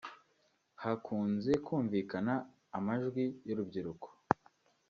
Hakunze kumvikana amajwi y’urubyiruko